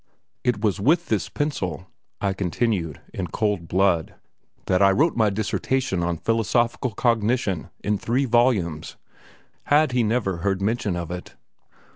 "It was with this pencil," I continued, in cold blood, "that I wrote my dissertation on 'Philosophical Cognition,' in three volumes." Had he never heard mention of it?